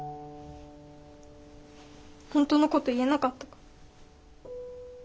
本当のこと言えなかったから。